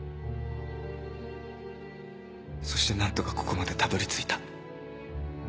そして何とかここまでたどり着いた。